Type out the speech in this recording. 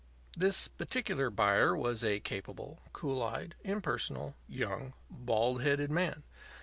This particular buyer was a capable, cool eyed, impersonal, young, bald headed man.